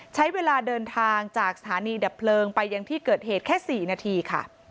ใช้เวลาเดินทางจากสถานีดับเพลิงไปยังที่เกิดเหตุแค่๔นาทีค่ะ